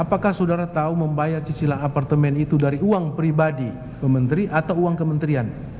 apakah saudara tahu membayar cicilan apartemen itu dari uang pribadi ke menteri atau uang kementerian